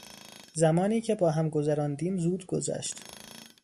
زمانی که با هم گذراندیم زود گذشت.